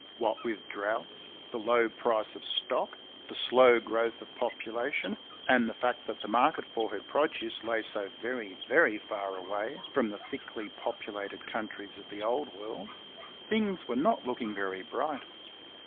What with droughts, the low price of stock, the slow growth of population, and the fact that the market for her produce lay so very, very far away from the thickly populated countries of the Old World, things were not looking very bright.